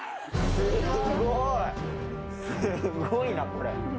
すごいなこれ。